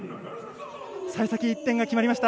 幸先いい１点が決まりました